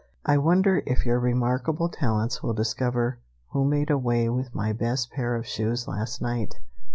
"I wonder if your remarkable talents will discover who made away with my best pair of shoes last night.